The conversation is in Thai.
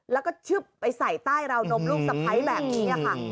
แล้วก็ชึบไปใส่ใต้ราวนมลูกสะพ้ายแบบนี้ค่ะ